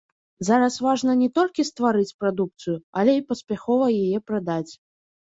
Зараз важна не толькі стварыць прадукцыю, але і паспяхова яе прадаць.